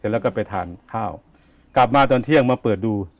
แล้วก็ไปทานข้าวกลับมาตอนเที่ยงมาเปิดดู